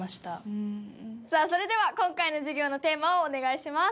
さあそれでは今回の授業のテーマをお願いします。